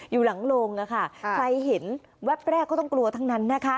อยู่หลังโรงอะค่ะใครเห็นแวบแรกก็ต้องกลัวทั้งนั้นนะคะ